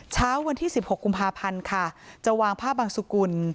เช้าวันที่๑๖กุมภาพันธ์ค่ะจะวางผ้าบังสุกุล